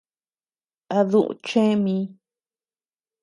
A duuʼu chee míi.